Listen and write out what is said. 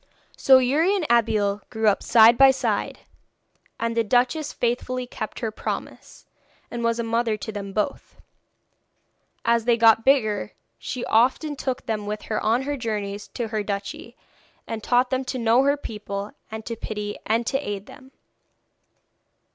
So Youri and Abeille grew up side by side, and the duchess faithfully kept her promise, and was a mother to them both. As they got bigger she often took them with her on her journeys through her duchy, and taught them to know her people, and to pity and to aid them.